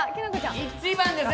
１番ですね。